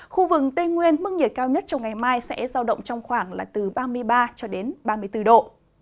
khu vực tây nguyên mức nhiệt cao nhất trong ngày mai sẽ giao động trong khoảng là từ ba mươi ba cho đến ba mươi bốn độ